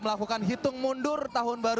melakukan hitung mundur tahun baru